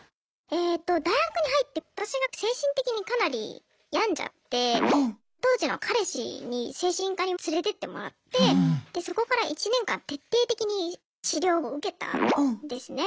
えと大学に入って私が精神的にかなり病んじゃって当時の彼氏に精神科に連れてってもらってでそこから１年間徹底的に治療を受けたんですね。